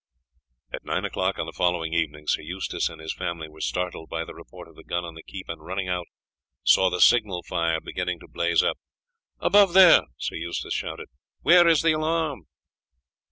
At nine o'clock on the following evening Sir Eustace and his family were startled by the report of the gun on the keep, and, running out, saw the signal fire beginning to blaze up. "Above there!" Sir Eustace shouted, "where is the alarm?"